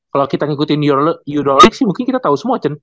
kalau kita ngikutin euroleague sih mungkin kita tau semua cun